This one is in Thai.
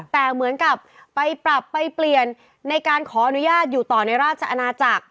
แต่เหมือนกับไปปรับไปเปลี่ยนในการขออนุญาตอยู่ต่อในราชอาณาจักร